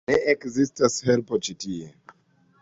Ne ekzistas helpo ĉi tie.